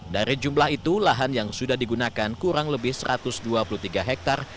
dari jumlah itu lahan yang sudah digunakan kurang lebih satu ratus dua puluh tiga hektare